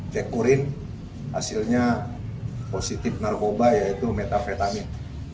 tekurin hasilnya positif narkoba yaitu metafetamin